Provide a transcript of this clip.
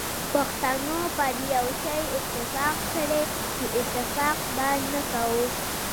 پښتنو پر یو شی اتفاق کړی چي اتفاق به نه کوو.